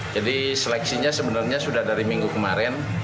jadi seleksinya sebenarnya sudah dari minggu kemarin